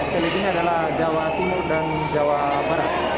selanjutnya adalah jawa timur dan jawa timur